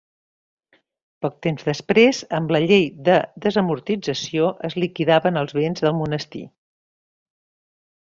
Poc temps després, amb la llei de desamortització, es liquidaven els béns del monestir.